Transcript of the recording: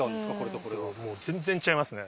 もう全然違いますね